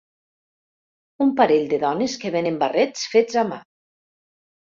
Un parell de dones que venen barrets fets a mà